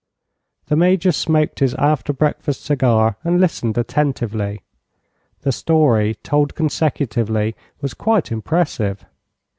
The Major smoked his after breakfast cigar and listened attentively. The story, told consecutively, was quite impressive.